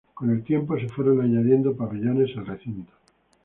Con el tiempo se fueron añadiendo pabellones al recinto.